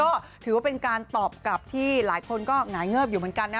ก็ถือว่าเป็นการตอบกลับที่หลายคนก็หงายเงิบอยู่เหมือนกันนะ